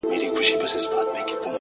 هره لاسته راوړنه د صبر له لارې راځي!.